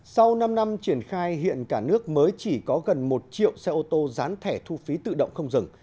sau năm năm triển khai hiện cả nước mới chỉ có gần một triệu xe ô tô dán thẻ thu phí tự động không dừng